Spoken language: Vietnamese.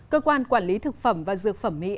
cơ quan quản lý thực phẩm và dược phẩm mỹ